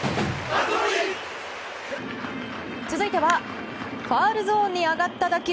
続いてはファウルゾーンに上がった打球。